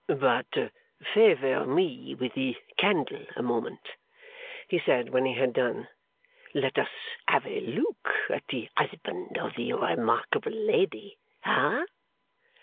'But, favour me with the candle a moment,' he said, when he had done. 'Let us have a look at the husband of the remarkable lady. Hah!